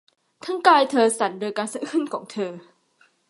ทั้งกายเธอสั่นโดยการสะอื้นของเธอ